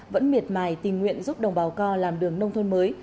vẫn miệt mài tình nguyện giúp đồng bào co làm đường nông thôn mới